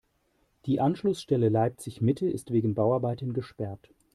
Die Anschlussstelle Leipzig-Mitte ist wegen Bauarbeiten gesperrt.